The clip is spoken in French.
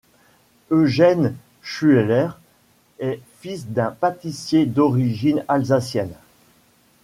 Eugène Schueller est fils d'un pâtissier d'origine alsacienne.